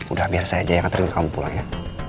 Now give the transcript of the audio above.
udah biar saya aja yang kering kamu pulang ya